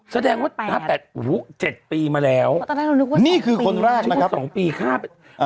แสดงว่า๗ปีมาแล้วนี่คือคนแรกนะครับ